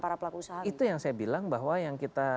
para pelaku usaha itu yang saya bilang bahwa yang kita